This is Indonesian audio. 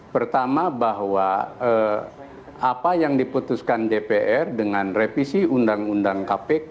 pertama bahwa apa yang diputuskan dpr dengan revisi undang undang kpk